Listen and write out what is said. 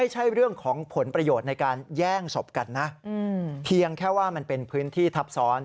ชอบกันนะเพียงแค่ว่ามันเป็นพื้นที่ทับซ้อน